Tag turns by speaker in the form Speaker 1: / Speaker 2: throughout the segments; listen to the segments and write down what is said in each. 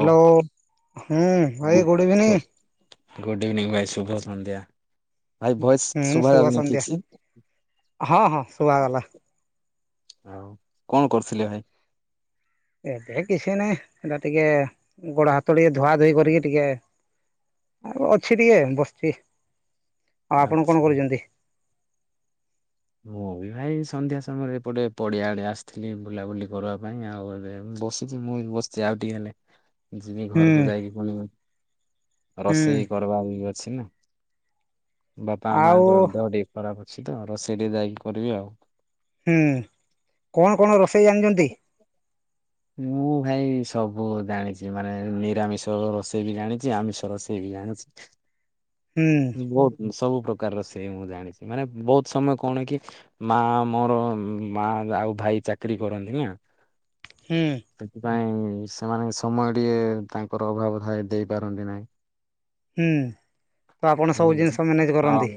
Speaker 1: Hello ହୁଁ ଭାଇ good evening.
Speaker 2: Good evening ଭାଇ, ଶୁଭ ସନ୍ଧ୍ୟା। ଭାଇ ଭଏସ
Speaker 1: ହୁଁ ଶୁଭ
Speaker 2: ଶୁଭାଯାଉନି
Speaker 1: ସନ୍ଧ୍ୟା
Speaker 2: ଠିକି ସେ।
Speaker 1: ହଁ ହଁ ଶୁଭାଗଲା।
Speaker 2: ଆଉ କଣ କରୁଥିଲେ ଭାଇ?
Speaker 1: ଏବେ କିଛି ନାହିଁ ସେଟା ଟିକେ ଗୋଡ ହାତ ଟିକେ ଧୁଆ ଧୋଇ କରିକି ଟିକେ ଆଉ ଅଛି ଟିକେ ବସିଛି। ଆଉ ଆପଣ କଣ
Speaker 2: ଆଚ୍ଛା।
Speaker 1: କରୁଛନ୍ତି?
Speaker 2: ମୁଁ ବି ଭାଇ ସନ୍ଧ୍ୟା ସମୟରେ ପଟେ ପଡିଆ ଆଡେ ଆସିଥିଲି ବୁଲାବୁଲି କରିବା ପାଇଁ ଆଉ ଏବେ ବସିି ମୁଁ ବସିଛି ଆଉ ଟିକେ ହେଲେ ଯବି
Speaker 1: ହୁଁ
Speaker 2: ଘରକୁ ଯାଇକି ପୁଣି
Speaker 1: ହୁଁ
Speaker 2: ରୋଷେଇ କରବା ବି ଅଛିନା ବାପା
Speaker 1: ଆଉ
Speaker 2: ମାଙ୍କ ଦେହ ଟିକେ ଖରାପ ଅଛି ତ ରୋ ଏଠି ଯାଇକି କରିବି ଆଉ।
Speaker 1: ହୁଁ, କଣ କଣ ରୋଷେଇ ଜାଣିଚନ୍ତି?
Speaker 2: ମୁଁ ଭାଇ ସବୁ ଜାଣିଚି ମାନେ ନିରାମିଷ ରୋଷେଇ ବି ଜାଣିଚି ଆମିଷ ରୋଷେଇ ବି ଜାଣୁଚି।
Speaker 1: ହୁଁ।
Speaker 2: ବହୁତୁ ସବୁ ପ୍ରକାରର ସେ ମୁଁ ଜାଣିଚି। ମାନେ ବହୁତୁ ସମୟ କଣ କି ମା ମୋର ମା ଆଉ ଭାଇ ଚାକିରୀ କରନ୍ତି ନା।
Speaker 1: ହୁଁ।
Speaker 2: ସେଥିପାଇଁ ସେମାନେ ସମୟ ଟିକେ ତାଙ୍କର ଅଭାବ ଥାଏ ଦେଇପାରନ୍ତି ନାହିଁ।
Speaker 1: ହୁଁ। ତ ଆପଣ ସବୁ
Speaker 2: ହୁଁ
Speaker 1: ଜିନିଷ ମ୍ୟାନେଜ କରନ୍ତି
Speaker 2: ଆଉ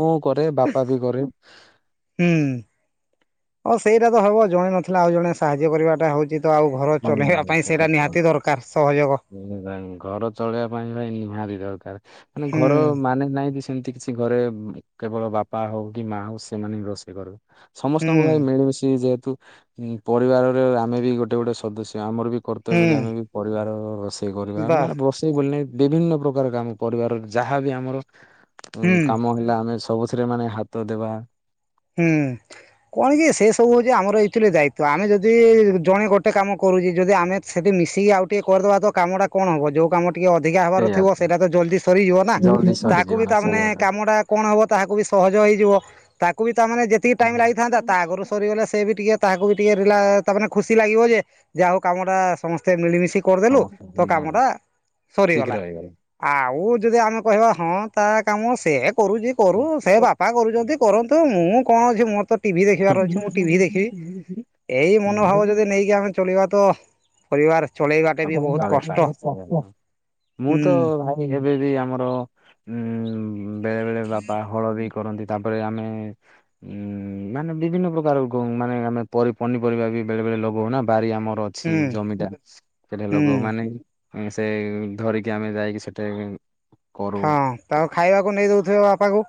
Speaker 2: ମୁଁ କରେ ବାପା ବି କରେ।
Speaker 1: ହୁଁ, ହ ସେଇଟା ତ ହବ ଜଣେ ନଥିଲା ଆଉ ଜଣେ ସାହାଯ୍ୟ କରିବାଟା ହଉଚି ତ ଆଉ ଘର
Speaker 2: ହୁଁ,
Speaker 1: ଚଲେଇବା ପାଇଁ
Speaker 2: ସେଟା
Speaker 1: ସେଇଟା
Speaker 2: ତ।
Speaker 1: ନିହାତି ଦରକାର ସହଯୋଗ।
Speaker 2: ଘର ଚଳେଇବା ପାଇଁ ଭାଇ ନିହାତି ଦରକାର ମାନେ
Speaker 1: ହୁଁ
Speaker 2: ଘର ମାନେ ନାଇଁ ସେମିତି କିଛି ଘରେ କେବଳ ବାପା ହଉ କି ମା ହଉ ସେମାନେ ହିଁ ରୋଷେଇ କରିବେ।
Speaker 1: ହୁଁ
Speaker 2: ସମସ୍ତଙ୍କୁ ଭାଇ ମିଳିମିଶି ଯେହେତୁ ପରିବାରରେ ଆମେ ବି ଗୋଟେ ଗୋଟେ ସଦସ୍ୟ ଆମର ବି କର୍ତ୍ତବ୍ୟ
Speaker 1: ହୁଁ
Speaker 2: ଯେ ଆମେ ବି ପରିବାର ରୋଷେଇ କରିବା ଆମେ
Speaker 1: ବାସ୍
Speaker 2: ବ ସେ ବିଭିନ୍ନ ପ୍ରକାର କାମ ପରିବାର ଯାହା ବି ଆମର
Speaker 1: ହୁଁ।
Speaker 2: କାମ ହେଲା ଆମେ ସବୁଥିରେ ମାନେ ହାତ ଦେବା
Speaker 1: ହୁଁ କଣ କି ସେ ସବୁ ହଉଛି ଆମର ଏଇଥିଲି ଦାୟିତ୍ୱ। ତ ଆମେ ଯଦି ଜଣେ ଗୋଟେ କାମ କରୁଛି ଯଦି ଆମେ ସେଠି ମିଶିକି ଆଉ ଟିକେ କରିଦବା ତ କାମଟା କଣ ହବ ଯୋଉ କାମା ଟିକେ ଅଧିକା ହବାର ଥିବ ସେଇଟା ତ ଜଲଦି ସରିଯିବ ନା
Speaker 2: ଜଲ୍ଦି
Speaker 1: ତାକୁ
Speaker 2: ସରିଯିବ
Speaker 1: ବି
Speaker 2: ନା
Speaker 1: ତା ମାନେ
Speaker 2: ସେଇଆ ତ।
Speaker 1: କାମଟା କଣ ହବ ତାହାକୁ ବି ସହଜ ହେଇଯିବ ତାକୁ ବି ତାମାନେ ଯେତିକି
Speaker 2: ହୁଁ।
Speaker 1: ଟାଇମ ଲାଗିଥାନ୍ତା ତା ଆଗରୁ ସରିଗଲେ ସେ ବି ଟିକେ ତାହାକୁ ବି ଟିକେ ତାେ ଖୁସି ଲାଗିବ ଯେ ଯାହାଉ କାମ ଟା ସମସ୍ତେ ମିଳିମିଶି କରିଦେଲୁ
Speaker 2: ସମସ୍ତେ
Speaker 1: ତୋ କାମ
Speaker 2: ହଁ
Speaker 1: ଟା
Speaker 2: ଶୀଘ୍ର
Speaker 1: ସରିଗଲା ଆଉ ଯଦି ଆମେ କହିବା ହଁ ତା କାମ ସେ କରୁଛି କରୁ ସେ ବାପା କରୁଛନ୍ତି କରନ୍ତି ମୁଁ କଣ ଅଛି ମୋର ତ ଟିଭି ଦେଖିବାର ଅଛି ମୁଁ ଟିଭି ଦେଖିବି
Speaker 2: ହେଇଗଲା।
Speaker 1: ଏଇ ମନୋଭାବ
Speaker 2: ହୁଁ
Speaker 1: ଯଦି ନେଇକି ଆମେ ଚଳିବା ତ ପରିବାର ଚଳେଇବା ଟା ବି
Speaker 2: ହବ
Speaker 1: ବହୁତ
Speaker 2: କାଳେ
Speaker 1: କଷ୍ଟ
Speaker 2: କାଳେ
Speaker 1: ହୁଁ
Speaker 2: ଯେବେ ବି ଆମର ଉ ବେଳେ ବେଳେ ବାପା ହଳ ବି କରନ୍ତି ତାପରେ ଆମେ ଉଁ ମାନେ ବିଭିନ୍ନ ପ୍ରକାର ମାନେ ଆମେ ପନିପରିବା ବି ବେଳେ ବେଳେ ଲଗ ହଉ ନା ବାରି ଆମର ଅ ଅଛି
Speaker 1: ହୁଁ
Speaker 2: ଜମିଟା
Speaker 1: ହୁଁ
Speaker 2: ଲୋକ ମାନେ ସେ ଧରିକି ଆମେ ଯାଇକି ସେଠିକି
Speaker 1: ହଁ ତାକୁ ଖାଇବାକୁ ନେଇ ଦଉଥିବ ବାପାକୁ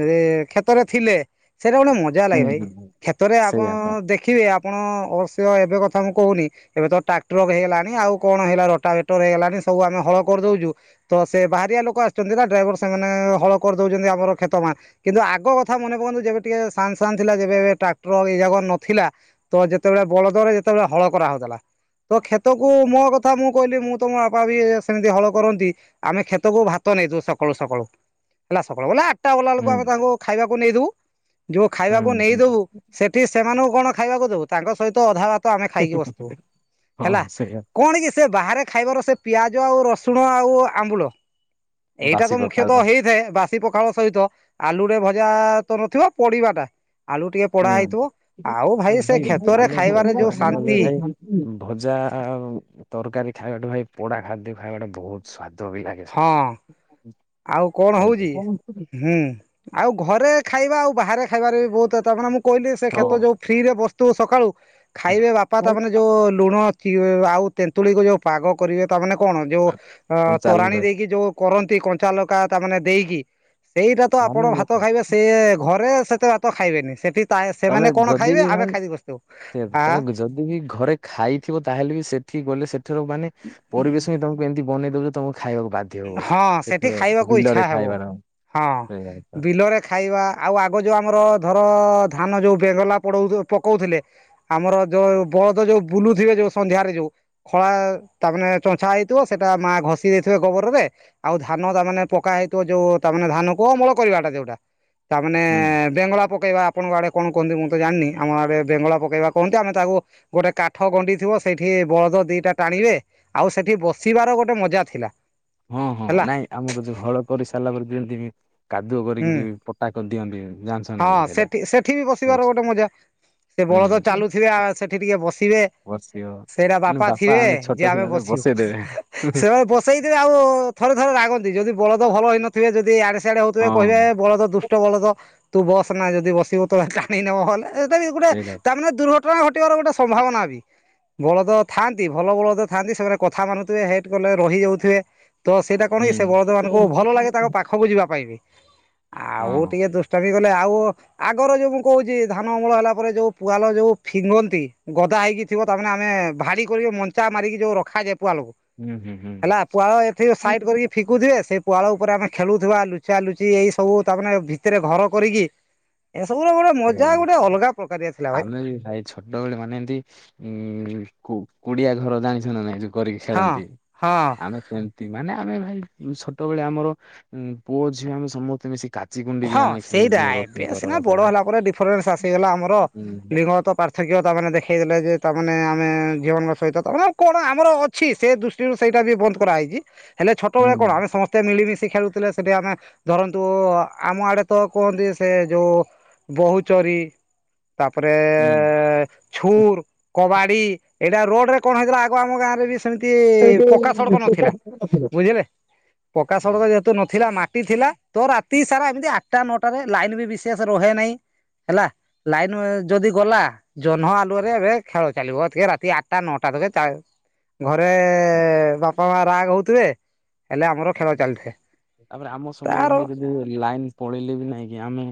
Speaker 1: ଯଦି କ୍ଷେତରେ ଥିଲେ ସେଟା ଗୋଟ ମ ମଜା
Speaker 2: ହୁଁ
Speaker 1: ଲାଗେ ଭାଇ
Speaker 2: ହୁଁ
Speaker 1: କ୍ଷେତରେ ଆପଣ
Speaker 2: ସେଇଆ ତ
Speaker 1: ଦେଖିବେ ଆପଣ ଅବଶ୍ୟ ଏବେ କଥା ମୁଁ କହୁନି ଏବେ ତ ଟ୍ରାକ୍ଟର ହେଇଗଲାଣି ଆଉ କଣ ହେଇଲା ର ଟାେଟର ହେଇଗଲାଣି ସବୁ ଆମେ ହଳ କରିଦଉଛୁ ତ ସେ ବାହାରିଆ ଲୋକ ଆସିଛନ୍ତି ନା ଡ୍ରାଇଭର ସେମାନେ ହଳ କରିଦଉଛନ୍ତି ଆମର କ୍ଷେତ ମ କିନ୍ତୁ ଆଗ କଥା ମନେ ପକାନ୍ତୁ ଯେବେ ଟିକେ ସାନ ସାନ୍ ଥିଲା ଯେବେ ଏବେ ଟ୍ରାକ୍ଟର ଏଇ ଜାଗା ନଥିଲା ତ ଯେତେବେଳେ ବଳଦ ରେ ଯେତେବେଳେ ହଳ କରା ହଉଥିଲା ତ କ୍ଷେତକୁ ମୋ କଥା ମୁଁ କହିଲି ମୁଁ ତମ ବାପା ବି ସେମିତି ହଳ କରନ୍ତି ଆମେ କ୍ଷତକୁ ଭାତ ନେଇଥିବୁ ସକାଳୁ ସକାଳୁ ହେଲା ସକାଳୁ ବଲା ଆଠଟା ବଲା
Speaker 2: ହୁଁ
Speaker 1: ବେଳକୁ ଆମେ ତାଙ୍କୁ ଖାଇବାକୁ ନେଇ ଦୋଉ ଯୋଉ ଖାଇବାକୁ
Speaker 2: ହୁଁ ହୁଁ
Speaker 1: ନେଇଦବୁ ସେଠି ସେମାନଙ୍କୁ କଣ ଖାଇବାକୁ ଦବୁ ତାଙ୍କ ସହିତ ଅଧା ବା ଭାତ ଆମେ ଖାଇକି ବସିଥିବୁ ହେଲା
Speaker 2: ହଁ ସେଇଆ
Speaker 1: କଣ କି ସେ ବାହାରେ ଖାଇବାର ସେ ପିଆଜ ଆଉ ରସୁଣ ଆଉ ଆମ୍ବୁଲ ଏଇଟା ତ
Speaker 2: ବାସି
Speaker 1: ମୁଖ୍ୟତଃ
Speaker 2: ପଖାଳ
Speaker 1: ହେଇଥାଏ ବାସ ପଖାଳ ସହିତ ଆଳୁରେ ଭଜା ତ ନଥିବ ପଡିବାଟା ଆଳୁ ଟିକେ ପୋଢା
Speaker 2: ହୁଁ
Speaker 1: ହେଇଥିବ ଆଉ ଭାଇ ସେ କ୍ଷେତରେ
Speaker 2: ମାନେ
Speaker 1: ଖାଇବାରେ ଯୋଉ
Speaker 2: ଦେଖିବାକୁ ଗଲେ
Speaker 1: ଶାନ୍ତି
Speaker 2: ଭାଇ ଭଜା ତରକାରୀ ଖାଇବାଟୁ ଭାଇ ପୋଡା ଖାଦ୍ୟ ଖାଇବାଟା ବହୁତ ସ୍ଵାଦ ବି ଲାଗେ ସେଟା
Speaker 1: ହଁ ଆଉ କଣ ହଉଛି ହୁଁ ଆଉ ଘରେ ଖାଇବା ଆଉ ବାହାରେ ଖାଇବାରେ ବି ବହୁତ ତା ମାନେ ମୁଁ କହିଲି ସେ କ୍ଷେତ ଯୋଉ ଫ୍ରିରେ ବସଥିବୁ ସକାଳୁ ଖାଇବେ ବାପା ତାମାନେ ଯେଉଁ ଲୁଣ ଆଉ ତେନ୍ତୁଳିକୁ ଯେଉ ପାଗ କରିବେ ତାମାନେ କଣ ଯୋଉ ଅ
Speaker 2: ହଁ
Speaker 1: ତରାଣି
Speaker 2: ଚାଲୁନ
Speaker 1: ଦେଇକି ଯୋଉ କରନ୍ତି କ କଞ୍ଚା ଲଙ୍କା ଦେଇକି ତା ମାନେ ଦେଇକି ସେଇଟା ତ ଆପଣ
Speaker 2: ମାନେ
Speaker 1: ଭାତ
Speaker 2: ଦେଖ
Speaker 1: ଖାଇବେ ସେ ଘରେ ସେତେ ଭାତ ଖାଇବେନି ସେଠି ତା
Speaker 2: ତମେ
Speaker 1: ସେମାନେ କଣ
Speaker 2: ଯଦି
Speaker 1: ଖାଇବେ
Speaker 2: ବି
Speaker 1: ଆମେ
Speaker 2: ଭାଇ
Speaker 1: ଖାଇକି ବସିଥିବୁ
Speaker 2: ସେ ତମେ ଯଦି ବି ଘରେ ଖାଇଥିବ ତାହେଲେ ବି ସେଠି ଗଲେ ସେଠର ମାନେ ପରିବେଶ ହଁ ତମକୁ ଏମିତି ବନେଇ ଦଉଛ ତମକୁ ଖାଇବାକୁ ବାଧ୍ୟ ହବ
Speaker 1: ହଁ ସେଠି
Speaker 2: ସେଥର
Speaker 1: ଖାଇବାକୁ ଇଛା
Speaker 2: ବିଲରେ
Speaker 1: ହବ
Speaker 2: ଖାଇବାର
Speaker 1: ହଁ
Speaker 2: ସେଇଆ ତ
Speaker 1: ବିଲରେ ଖାଇବା ଆଉ ଆଗ ଯେଉଁ ଆମର ଧର ଧାନ ଯେଉଁ ବେଗଲା ପଡ଼ ପକାଉଥିଲେ ଆମର ଯୋଉ ବଳଦ ଯୋଉ ବୁଲୁଥିବେ ଯୋଉ ସନ୍ଧ୍ୟାରେ ଯୋଉ ଖଳା ତା ମାନେ ଚଛା ହେଇଥିବ ସେଇଟା ମା ଘଷି ଦେଇଥିବେ ଗୋବର ଆଉ ଧାନ ତା ମାନେ ପକା ହେଇଥିବ ଯୋଉ ତାେ ଧାନ କୁ ଅମଳ କରିବାଟା ଯୋଉଟା ତାମାନେ
Speaker 2: ହୁଁ
Speaker 1: ବେଙ୍ଗଳା ପକେଇବା ଆପଣଙ୍କ ଆଡେ କଣ କହନ୍ତି ମୁଁ ତ ଜାଣିନି ଆମ ଆଡେ ବେଙ୍ଗଳା ପକେଇବା କହନ୍ତି ଆମେ ତାକୁ ଗୋଟେ କାଠ ଗଣ୍ଡି ଥିବ ସେଇଠି ବଳଦ ଦିଟା ଟାଣିବେ। ଆଉ ସେଠି ବସିବାର ଗୋଟେ ମଜା ଥିଲା।
Speaker 2: ହଁ ହଁ
Speaker 1: ହେଲା
Speaker 2: ନାଇଁ ଆମର ଯୋଉ ହଳ କରିସାଇଲା ପରେ ଯେମତି କାଦୁଅ
Speaker 1: ହୁଁ
Speaker 2: କରିକି ଯ ତାକ ଦିଅନ୍ତି ଜାଣଚ
Speaker 1: ହଁ ସେଠି ସେଠି ବି ବସିବାର ଗୋଟେ ମଜା ସେ ବଳଦ
Speaker 2: ହୁଁ
Speaker 1: ଚାଲୁଥିବେ ସେଠି ଟିକେ ବସିବେ।
Speaker 2: ବସିବ
Speaker 1: ସେଇରା
Speaker 2: ମାନେ
Speaker 1: ବାପା ଥିବେ
Speaker 2: ଛୋଟ
Speaker 1: ଯେ ଆମେ
Speaker 2: ଥିଲାବେଳେ
Speaker 1: ବସିବୁ
Speaker 2: ବସେଇଦେବେ।
Speaker 1: ସେ ବ ସେଇଥିରେ ଆଉ ଥରେ ଥରେ ରାଗନ୍ତି ଯଦି ବଳଦ ଭଲ ହେଇନଥିବେ ଯଦି ଆଡ଼େ ସିଆଡ଼େ ହଉଥିବେ କହିବେ
Speaker 2: ହଁ
Speaker 1: ବଳଦ ଦୁଷ୍ ଟ ବଳଦ ତୁ ବସ ନା ଯଦି ବସିବୁ ତୋ ଟାଣି ନବ ହେଲେ ଏଇଟା ବି ଗୋଟେ
Speaker 2: ସେଇଟା
Speaker 1: ତାମାନେ ଦୁର୍ଘ ଘଟଣା ଘଟିବାର ଗୋଟେ ସମ୍ଭାବନା ବି। ବଳଦ ଥାଆନ୍ତି ଭଲ ବଳଦ ଥାଆନ୍ତି ସେମାନେ କଥା ମାନୁଥିବେ ହେଟ୍ କଲେ ରହିଯାଉଥିବେ। ତ ସେଇଟା କଣ
Speaker 2: ହୁଁ।
Speaker 1: କି ସେ ବଳଦ ମାନଙ୍କୁ ଭଲ ଲାଗେ ତାଙ୍କ ପାଖକୁ ଯିବା ପାଇଁ ବି ଆଉ
Speaker 2: ହଁ
Speaker 1: ଟିକେ ଦୁ ଟ ବି କଲେ ଆଉ ଆଗର ଯୋଉ ମୁଁ କହୁଛି ଧାନ ଅମଳ ହେଲା ପରେ ଯୋଉ ପୁଆଲ ଯୋଉ ଫିଙ୍ଗନ୍ତି ଗଦା ହେଇକି ଥିବ ତାମାନେ ଆମେ ଭାଡି କରିକି ମଞ୍ଚା ମାରିକି ଯୋଉ ରଖାଯାଏ ପୁଆ ଲକୁ।
Speaker 2: ହୁଁ ହୁଁ ହୁଁ
Speaker 1: ହେଲା ପୁଆଳ ଏଥି ସାଇଟ କରିକି ଫିକୁଥିବେ ସେ ପୁଆଳ ଉପରେ ଆମେ ଖେଳୁଥିବା ଲୁଚା ଲୁଚି ଏଇ ସବୁ ତାମାନେ ଭିତରେ ଘର କରିକି ଏସବୁ ର ଗୋଟେ
Speaker 2: ସେଇଆ
Speaker 1: ମଜା
Speaker 2: ପରା।
Speaker 1: ଗୋଟେ ଅଲଗା ପ୍ରକାରିଆ ଥିଲା ଭାଇ।
Speaker 2: [unintelligible] ଛୋଟବେଳେ ମାନେ ଏମିତି ଉଁ କୁଡିଆ ଘର ଜାଣିଛ ନା ନାଇଁ ଯୋଉ କରିକି
Speaker 1: ହଁ
Speaker 2: ଖେଳନ୍ତି
Speaker 1: ହଁ।
Speaker 2: ଆମେ ସେମ ମାନେ ଆମେ ଭାଇ ଛୋଟବେଳେ ଆମର ପୁଅ ଝିଅ ଆମେ ସମସ୍ତେ ମିଶି କା
Speaker 1: ହଁ ସେଇଟା ଏବେ ସିନା ବଡ ହେଲା ପରେ ଡିଫରେନ୍ସ ଆସିଗଲା ଆମର
Speaker 2: ହୁଁ
Speaker 1: ଲିଙ୍ଗଗତ ପା ରଥକୀୟ ତାମାନେ ଦେଖେଇ ଦେଲେ ଯେ ତାମାନେ ଆମେ ଝିଅମାନଙ୍କ ସହିତ ତାମାନେ କଣ ଆମର ଅଛି ସେ ଦୁ ସେଇଟା ବି ବନ୍ଦ କରାହେଇଚି। ହେଲେ ଛୋଟବେଳେ କଣ
Speaker 2: ହୁଁ
Speaker 1: ଆମେ ସମସ୍ତେ ମିଳିମିଶି ଖେଳୁଥିଲେ ସେଇଠି ଆମେ ଧରନ୍ତୁ ଆମ ଆଡେ ତ କୁହନ୍ତି ସେ ଯୋଉ ବୋହୁଚୋରି ତାପରେ
Speaker 2: ହୁଁ।
Speaker 1: ଛୁର କବାଡି ଏଇଟା ରୋଡ ରେ କଣ ହେଇଥିଲା ଆଗ ଆମ ଗାଁ ରେ ବି ସେମିତି ପକ୍କା ସଡ଼କ ନଥିଲା ବୁଝିଲେ। ପକା
Speaker 2: ହୁଁ
Speaker 1: ସଡ଼କ ଯେହେତୁ ନଥିଲା ମାଟି ଥିଲା ତ ରା ତି ସାରା ଏମିତି ଆଟଟା ନଅଟାରେ ଲାଇନ ବି ବିଶେଷ ରହେ ନାହିଁ ହେଲା। ଲାଇନ ଯଦି ଗଲା ଜହ୍ନ ଆଲୁଅରେ ଏବେ ଖେଳ ଚାଲିବ ଟିକେ ରାତି ଆଠଟା ନଅଟା ବାଜେ। ଘରେ ବାପା ମା ରାଗ ହଉଥିବେ। ହେଲେ ଆମର ଖେଳ ଚାଲିଥାଏ
Speaker 2: ତାପରେ ଆମ ସମୟରେ
Speaker 1: ତାର
Speaker 2: ଭାଇ ଯଦି ଲାଇନ୍ ପଳେଇଲେ ବି ନାଇଁ କି ଆମେ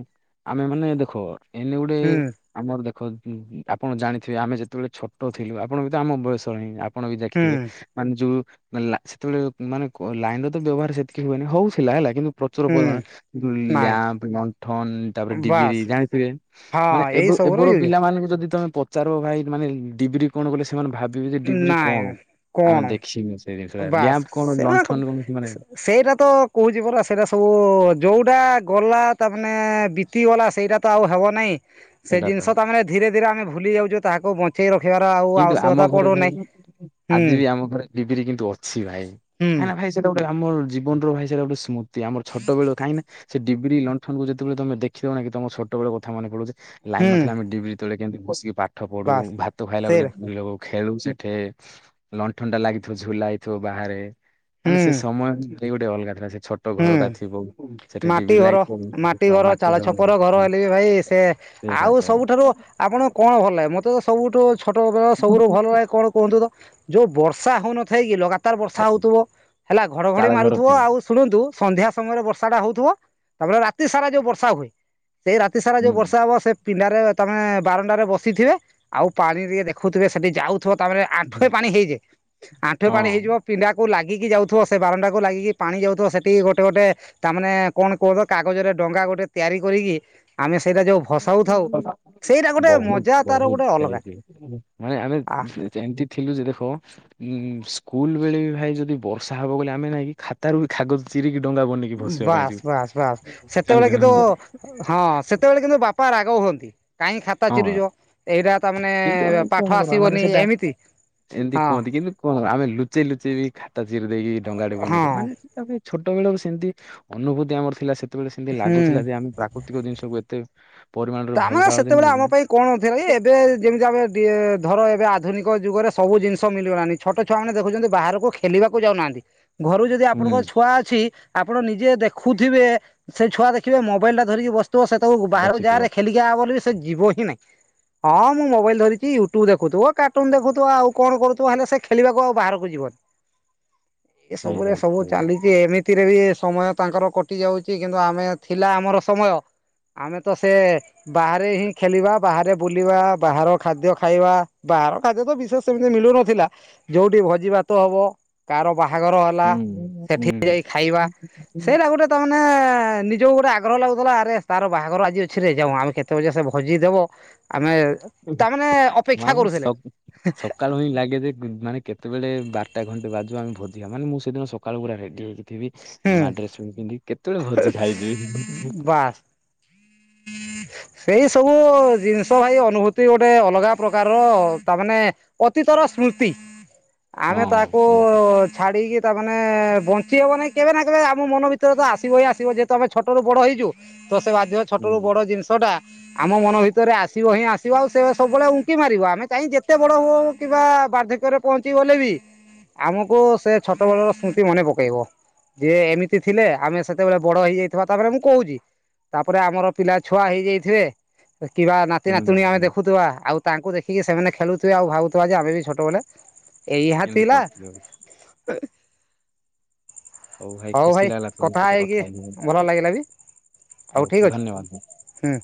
Speaker 2: ଆମେ ମାନେ ଦେଖ ଏନ ଗୋଟେ
Speaker 1: ହୁଁ
Speaker 2: ଆମର ଦେଖ ଆପଣ ଜାଣିଥିବେ ଆମେ ଯେତେବେଳେ ଛୋଟ ଥିଲୁ ଆପଣ ବି ତ ଆମ ବୟସ ହିଁ ଆ ପଣ ବି
Speaker 1: ହୁଁ
Speaker 2: ଦେଖିଥିବେ ମାନେ ଯୋଉ ମାନେ ସେତେବେଳେ ମାନେ ଲାଇନ ବ୍ୟବହାର ସେତିକି ହୁଏନି ହଉଥିଲା ହେଲା କିନ୍ତୁ ପ୍ରଚୁର
Speaker 1: ହୁଁ
Speaker 2: ପରିମାଣ
Speaker 1: ନାଇଁ
Speaker 2: ଲ୍ୟାମ୍ପ ଲଣ୍ଠନ ତାପରେ ଡିବିରି
Speaker 1: ବାସ୍
Speaker 2: ଜାଣିଥିବେ।
Speaker 1: ହଁ
Speaker 2: ମାନେ
Speaker 1: ଏଇ
Speaker 2: ଏବେ
Speaker 1: ସବୁର
Speaker 2: ଏବେର
Speaker 1: ୟୁଜ
Speaker 2: ପିଲାମାନଙ୍କୁ ଯଦି ତମେ ପଚାର ଭାଇ ମାନେ ଡିବିରି କଣ ବୋଲି ସେମାନେ ଭାବିବେ ଯେ ଡିବ୍ରି
Speaker 1: ନାଇଁ
Speaker 2: କଣ ଆମେ
Speaker 1: କଣ
Speaker 2: ଦେଖିନୁ ସେ ଜିନିଷ ଟା
Speaker 1: ବାସ୍
Speaker 2: ଲ୍ୟାମ୍ପ କଣ
Speaker 1: ସେରା
Speaker 2: ଲଣ୍ଠନ କଣ? ମାନେ
Speaker 1: ସେଇଟା ତ କହୁଛି ପରା ସେଇ ରା ସବୁ ଯୋଉଟା ଗଲା ତାମାନେ ବି ତିଗଲା ସେଇରା ତ ଆଉ ହେବ ନାହିଁ। ସେ
Speaker 2: ସେଇଟା ତ
Speaker 1: ଜିନିଷ ତା ମାନେ ଧୀରେ ଧୀରେ ଆମେ ଭୁଲି ଯାଉଛୁ ତାହାକୁ ବଞ୍ଚେଇ ରଖିବାର ଆଉ
Speaker 2: କିନ୍ତୁ
Speaker 1: ଆବଶ୍ୟକତା। ପଡୁନାହିଁ
Speaker 2: [unintelligible] ଆଜି
Speaker 1: ହୁଁ
Speaker 2: ବି ଆମ ଘରେ ଡିବିରି କିନ୍ତୁ ଅଛି ଭାଇ
Speaker 1: ହୁଁ
Speaker 2: କାହିଁନା ଆମେ। ଭାଇ ସେ କଣ ଗୋଟେ ଆମର ଜୀବନର ଭାଇ ସେଟା ଗୋଟେ ସ୍ମୃତି ଆମର ଛୋଟବେଳ କାହିଁକିନା। ସେ ଡିବିରୀ ଲଣ୍ଠନକୁ ଯେତେବେଳେ ତମେ ଦେଖିଦବ ନା କି ତମ ଛୋଟବେଳ କଥା ମନେ ପଡୁଛି ଲାଇନ୍
Speaker 1: ହୁଁ
Speaker 2: ନଥିଲେ ଆମେ ଡିିବିର୍। ସେତେବେଳେ କେମତି ବସିକି ପାଠ ପଢୁ
Speaker 1: ବାସ୍
Speaker 2: ଭାତ ଖାଇଲା ବେଳେ।
Speaker 1: ସେଇରା
Speaker 2: [unintelligible] ଖେଳୁ ସେଠେ ଲଣ୍ଠନ୍ଟା ଲାଗିଥିବ ଝୁଲା ହେଇଥିବ ବାହାରେ।
Speaker 1: ହୁଁ
Speaker 2: ମାନେ ସେ ସମୟ ଭାଇ ଗୋଟେ ଅଲଗା ଥାଏ ସେ ଛୋ ଟ ଘର
Speaker 1: ହୁଁ
Speaker 2: ଟା ଥିବ ସେଠେ
Speaker 1: ମାଟି
Speaker 2: ଡିବିରି
Speaker 1: ଘର
Speaker 2: ଲାଗିଥିବ ମାଟି
Speaker 1: ଚାଳ
Speaker 2: ଘର।
Speaker 1: ଛପର ହେଲେ ବି ଭାଇ ସେ
Speaker 2: ସେଇଟା
Speaker 1: ଆଉ
Speaker 2: ତ
Speaker 1: ସବୁଠାରୁ ଆପଣଙ୍କୁ କଣ ଭଲ ଲାଗେ ମତେ ତ ସବୁଠୁ ଛୋଟ ବେଳ ସବୁଠୁ ଭଲ ଲାଗେ କଣ କୁହନ୍ତୁ ତ? ଯୋଉ ବର୍ଷା ହଉନଥାଏ କି ଲଗାତାର ବର୍ଷା ହଉଥୁବ ହେଲା ଘଡଘଡି
Speaker 2: ଚାଳ ଘର
Speaker 1: ମାରୁଥିବ ଆଉ। ଶୁଣନ୍ତୁ ସନ୍ଧ୍ୟା ସମୟରେ ବର୍ଷା ଟା ହଉଥୁବ ତାପରେ ରାତି ସାରା ଯୋଉ ବର୍ଷା ହୁଏ। ସେଇ ରାତି ସାରା
Speaker 2: ହୁଁ
Speaker 1: ଯୋଉ ବର୍ଷା ହବ ସେ। ପିଣ୍ଡାରେ ତମେ ବାରଣ୍ଡାରେ ବସିଥିବେ ଆଉ ପାଣି ଟିକେ ଦେଖୁଥିବେ ସେଠି ଯାଉ ଥୁବ ତାପରେ ଆଠୁଁଏ ପାଣି ହେଇଯାଏ ଆଠୁଁଏ ପାଣି ହେଇଯିବ।
Speaker 2: ହଁ।
Speaker 1: ପିଣ୍ଡାକୁ ଲାଗିକି ଯାଉଥିବ ସେ ବାରଣ୍ଡାକୁ ଲାଗିକି ପାଣି ଯାଉ ଥୁବ ସେଠିକି ଗୋଟେ ଗୋଟେ ତା ମାନେ କଣ କୁହ ତ କାଗଜରେ ଡ଼ଙ୍ଗା ଗୋଟେ ତିଆରି କରିକି। ଆମେ ସେଇଟା ଯୋଉ ଭସାଉଥାଉ
Speaker 2: [unintelligible]
Speaker 1: ସେଇଟା ଗୋଟେ
Speaker 2: ବହୁତ୍
Speaker 1: ମଜା ତାର
Speaker 2: ବହୁତ୍
Speaker 1: ଗୋଟେ ଅଲଗା
Speaker 2: ଖେଳିଛି ମାନେ ଆମେ।
Speaker 1: ଆ
Speaker 2: ଯେମତି ଥିଲୁ ଯେ ଦେଖ। ଉଁ ସ୍କୁଲ ବେଳେ ବି ଭାଇ ଯଦି ବର୍ଷା ହବ ବଲେ ଆମେ ଯାଇଁକି ଖାତାରୁ ବି କାଗଜ ଚିରିିକି ଡ଼ଙ୍ଗା ବନେଇ।
Speaker 1: ବାସ୍ ବାସ୍ ବାସ୍ ସେତେବେଳେ କିନ୍ତୁ। ହଁ ସେତେବେଳେ କିନ୍ତୁ ବାପା ରାଗ ହୁଅନ୍ତି କାହିଁ ଖାତା
Speaker 2: ହଁ
Speaker 1: ଚିରୁଚ ଏଇରା।
Speaker 2: କିନ୍ତୁ ଭାଇ କଣ କରାହବ ମାନେ ସେଟା। ଏମତି
Speaker 1: ହଁ
Speaker 2: କୁହନ୍ତି କିନ୍ତୁ କଣ ଆମେ ଲୁଚେଇ ଲୁଚେଇ ବି ଖାତା ଚିରିଦେଇକି ଡଙ୍ଗାଟେ
Speaker 1: ହଁ
Speaker 2: ବନେଇଦବୁ ମାନେ। ତାପରେ ଛୋଟ ବେଳୁ ସେମତି ଅନୁଭୂତି ଆମର ଥିଲା ସେତେବେଳେ ସେମିତି
Speaker 1: ହୁଁ
Speaker 2: ଲାଗୁଥିଲା ଯେ ଆମେ ପା କୃତିକ ଜିନିଷକୁୁ ଏତେ ପରିମାଣରେ
Speaker 1: ତାମାନେ
Speaker 2: ଭଲ ପାଉଛେ
Speaker 1: ସେତେବେଳେ ଆମ
Speaker 2: ମାନେ।
Speaker 1: ପାଇଁ କଣ ଥିଲାକି ଏବେ ଯେମିତି ଆମେ ଇଏ ଧର ଏବେ ଆଧୁନିକ ଯୁଗରେ ସବୁ ଜିନିଷ ମିିଳିଗଲାଣି। ଛୋଟ ଛୁଆମାନେ ଦେଖୁଛନ୍ତି ବାହାରକୁ ଖେଲିବାକୁ ଯାଉନାହାନ୍ତି ଘରୁ ଯ ଯଦି
Speaker 2: ହୁଁ
Speaker 1: ଆପଣଙ୍କର ଛୁଆ ଅଛି ଆପଣ ନିଜେ ଦେଖୁଥିବେ ସେ ଛୁଆ ଦେଖିବେ ମୋବାଇଲ୍ ଟା ଧରିକି ବ ସିଥିବ ସେତବଳକୁ ବାହାରୁକୁ
Speaker 2: ବସିଥିବ
Speaker 1: ଯାରେ ଖେଲିକି ଆ ବୋଲି ସେ ଯିବ ହି ନାହିଁ। ହଁ ମୁଁ ମୋବାଇଲ୍ ଧରିଚି ୟୁଟ୍ୟୁବ ଦେଖୁଥୁବ କାର୍ଟୁନ୍ ଦେଖୁଥୁବ ଆଉ କଣ କରୁଥିବ ହେଲେ ସେ। ଖେଲିବାକୁ ଆଉ ବାହାରକୁ ଯିବନି।
Speaker 2: [inaudible]
Speaker 1: ଏ ସବୁରା
Speaker 2: ସେଇଟା
Speaker 1: ସବୁ
Speaker 2: ହୁଁ
Speaker 1: ଚାଲି ଚି ଏମିତିରେ ବି ସମୟ ତାଙ୍କର କଟି ଯାଉଚି କିନ୍ତୁ ଆମେ ଥିଲା ଆମର ସମୟ। ଆମେ ତ ସେ। ବାହାରେ ହିଁ ଖେଲିବା ବାହାରେ ବୁଲିବା ବାହାର ଖାଦ୍ୟ ଖାଇବା ବାହାର ଖାଦ୍ୟ ତ ବିଶେଷ୍। ସେମିତି ମିଳୁନଥିଲା ଯୋଉଠି ଭୋଜି ଭାତ ହବ। କାର ବାହାଘର ହେଲା ସେଥିରେ ଯାଇ ଖାଇବା
Speaker 2: ହୁଁ।
Speaker 1: ସେଇଟା ଗୋଟେ। ତ ମାନେ ନିଜକୁ ଗୋଟେ ଆଗ୍ରହ ଲାଗୁଥିଲା ଆରେ ତାର ବାହାଘର ଆଜି ଅଛି ରେ। ଯାଉଁ ଆମେ କେତେବେଳେ ଯେ ସେ ଭୋଜି ଦବ ଆମେ। ତା ମାନେ ଅପେକ୍ଷା
Speaker 2: ମାନେ
Speaker 1: କରୁଥିଲେ।
Speaker 2: ସ ସକାଳୁ ହିଁ ଲାଗେ ଯେ ମାନେ କେତେବେଳେ ବାରଟା ଘଣ୍ଟେ ବାଜୁ ଆମେ ଭୋଜିଆ ମାନେ ମୁଁ ସେଦିନ ସକାଳୁ ପୁରା ରେଡ଼ି ହେଇକି। ଥିବି
Speaker 1: ହୁଁ
Speaker 2: ନୂଆ ଡ୍ରେସ୍ ଫୁଣି ପିନ୍ଧିବି କେତେବେଳେ ଭୋଜି ଖାଇବି।
Speaker 1: ବାସ୍
Speaker 2: [inaudible]
Speaker 1: ସେଇ ସବୁ ଜିନିଷ ଭାଇ ଅନୁଭୂତି ଗୋଟେ ଅଲଗା ପ୍ରକାରର ତା ମାନେ। ଅତୀତର ସ୍ମୃତି। ଆମେ
Speaker 2: ହଁ
Speaker 1: ତାକୁ
Speaker 2: ସେଇଆ ତ
Speaker 1: ଛାଡ଼ି କି ତା ମାନେ ବଞ୍ଚି ହବ ନାହିଁ କେବେ ନା କେବେ ଆମ ମନ ଭିତରେ ତ ଆସି ବ ହିଁ ଆସିବ ଯେହେତୁ ଆମେ ଛୋଟରୁ ବଡ଼ ହେଇଛୁ ତ ସେ ଆଜି ଯୋଉ ଛଟରୁ
Speaker 2: ହୁଁ
Speaker 1: ବଡ଼ ଜିନିଷ ଟା ଆମ ମନ ଭିତରେ ଆସିବ ହିଁ ଆସିବ ଆଉ ସେ ସବୁବେଳେ ଉଙ୍କି ମାରିବ ଆମେ ଚାହଁ ଯେତେ ବଡ଼ ହୁଅ ହୁ କିବା ବାର୍ଦ୍ଧକ୍ୟରେ ପହଞ୍ଚି ଗଲେ ବି ଆମକୁ ସେ ଛୋଟବେଳର ସ୍ମୃତି ମନେ ପକେଇବ। ଯେ ଏମିତି ଥିଲେ ଆମେ ସେତେବେଳେ ବଡ଼ ହେଇଯାଇଥିବା ତାପରେ ମୁଁ କହୁଛି ତାପରେ ଆମର। ପିଲା ଛୁଆ ହେଇଯାଇଥିବେ କିବା ନାତି
Speaker 2: ହୁଁ
Speaker 1: ନାତିୁଣୀ ଆମେ
Speaker 2: ହୁଁ।
Speaker 1: ଦେଖୁଥିବା ଆଉ। ତାଙ୍କୁ ଦେଖିକି ସେମାନେ ଖେଳୁଥିବେ ଆଉ ଭାବୁଥିବା ଯେ ଆମେ ବି ଛୋଟବେଳେ ଏଇହା
Speaker 2: ଏମିତି
Speaker 1: ଥିଲା।
Speaker 2: କରିଥିଲୁ ଆଉ
Speaker 1: [unintelligible]
Speaker 2: ହଉ ଭାଇ ଖୁସି ଲାଗିଲା ତମ
Speaker 1: କଥା
Speaker 2: ସହିତ
Speaker 1: ହେଇକି ଭଲ
Speaker 2: ହେଇକିନି
Speaker 1: ଲାଗିଲା ବି
Speaker 2: ହଉ
Speaker 1: ଠିକ୍ ଅଛି
Speaker 2: ଧନ୍ୟବାଦ।
Speaker 1: ହୁଁ।